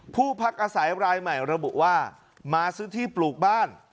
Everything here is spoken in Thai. ผู้พักอาศัยรายใหม่ระบุว่ามาซื้อที่ปลูกบ้าน